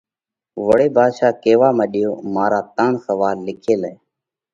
وۯي ڀاڌشا ڪيوا مڏيو: مارا ترڻ سوئال لکي لئہ۔